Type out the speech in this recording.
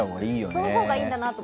そのほうがいいんだなって。